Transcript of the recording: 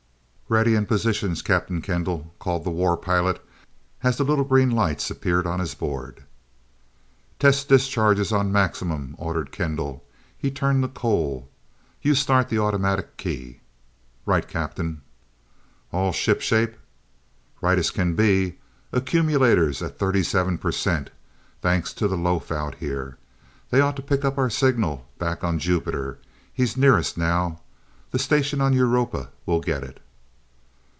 "Ready in positions, Captain Kendall," called the war pilot as the little green lights appeared on his board. "Test discharges on maximum," ordered Kendall. He turned to Cole. "You start the automatic key?" "Right, Captain." "All shipshape?" "Right as can be. Accumulators at thirty seven per cent, thanks to the loaf out here. They ought to pick up our signal back on Jupiter, he's nearest now. The station on Europa will get it."